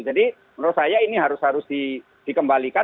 jadi menurut saya ini harus harus dikembalikan